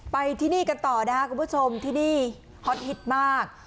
ไปที่นี่กันต่อนะครับคุณผู้ชมที่นี่ฮอตฮิตมาก